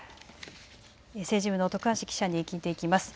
政治部の徳橋記者に聞いていきます。